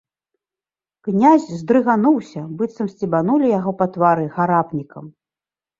Князь здрыгануўся, быццам сцебанулі яго па твары гарапнікам.